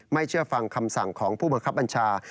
เชื่อฟังคำสั่งของผู้บังคับบัญชา